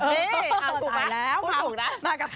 เอ๊ะเอาถูกมาพูดถูกนะมากับค่ะ